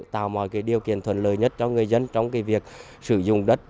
tạo mọi cái điều kiện thuận lợi nhất cho người dân trong cái việc sử dụng đất